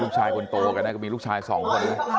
ลูกชายคนโตแหละก็มีลูกชาย๒คน